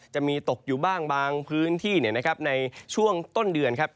จะมีตกอยู่บ้างบางพื้นที่ในช่วงต้นเดือนครับ